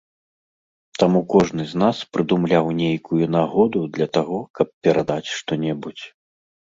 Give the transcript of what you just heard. Таму кожны з нас прыдумляў нейкую нагоду для таго, каб перадаць што-небудзь.